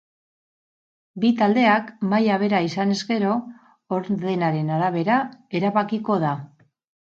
Bi taldeak maila bera izanez gero, ordenaren arabera erabakiko da.